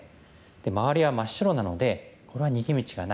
で周りは真っ白なのでこれは逃げ道がない。